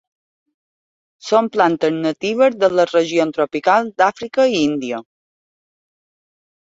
Són plantes natives de les regions tropicals d'Àfrica i Índia.